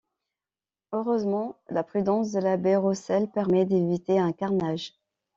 Heureusement, la prudence de l’abbé Roussel permet d’éviter un carnage.